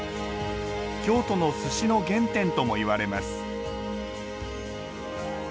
京都の寿司の原点ともいわれます